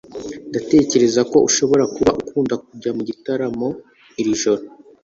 ndatekereza ko ushobora kuba ukunda kujya mu gitaramo iri joro